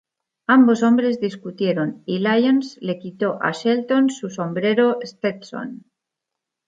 Ambos hombres discutieron y Lyons le quitó a Shelton su sombrero Stetson.